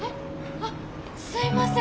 あっすいません。